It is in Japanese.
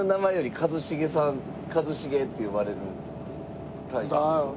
一茂って呼ばれるタイプですよね。